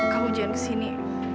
kamu jangan kesini